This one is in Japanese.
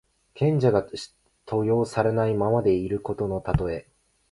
賢者が登用されないままでいることのたとえ。